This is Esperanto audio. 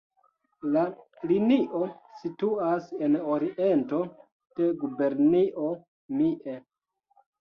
La linio situas en oriento de Gubernio Mie.